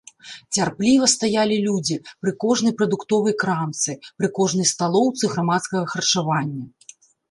Цярпліва стаялі людзі пры кожнай прадуктовай крамцы, пры кожнай сталоўцы грамадскага харчавання.